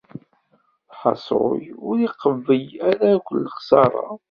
Lḥaṣul ur iqebbel ara akk lexṣara.